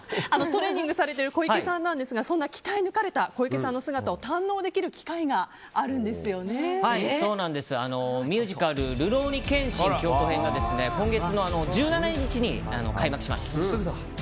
トレーニングされている小池さんですがそんな鍛え抜かれた小池さんの姿を堪能できる機会がミュージカル「るろうに剣心京都編」が今月の１７日に開幕します。